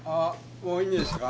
もういいんですか？